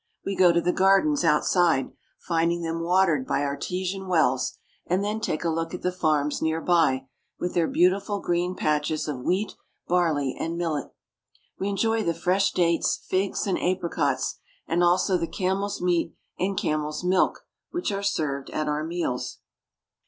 We go to the gardens outside, finding them watered by artesian wells, and then take a look at the farms near by, with their beautiful green patches of wheat, barley, and millet. We enjoy the fresh dates, figs, and apricots, and also the camel's meat and camel's milk which are served at our meals.